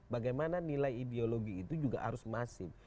bagaimana nilai ideologi itu juga harus masif